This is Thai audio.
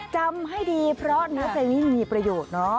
จำให้ดีเพราะเพลงนี้มีประโยชน์